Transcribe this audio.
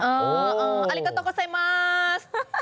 อ๋ออาริกาโตโกสัยมาส